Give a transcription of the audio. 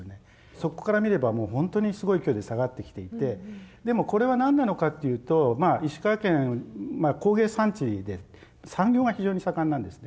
そこから見ればもうほんとにすごい勢いで下がってきていてでもこれは何なのかっていうと石川県工芸産地で産業が非常に盛んなんですね。